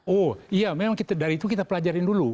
oh iya memang dari itu kita pelajarin dulu